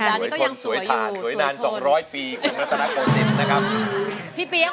สัปดาห์นี่ก็ยังสวยอยู่